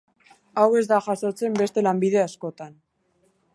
Hau ez da jazotzen beste lanbide askotan.